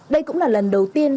đây cũng là lần đầu tiên